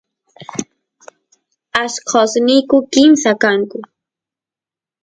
allqosniyku kimsa kanku